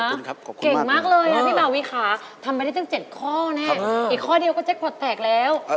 ขอบคุณครับขอบคุณมากเลยนะพี่เบาวีค่ะทำไปได้เจ็บ๗ข้อเนี่ยอีกข้อเดียวก็เจ็คพอร์ตแตกแล้ว